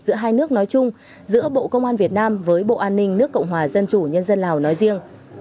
giữa hai nước nói chung giữa bộ công an việt nam với bộ an ninh nước cộng hòa dân chủ nhân dân lào nói riêng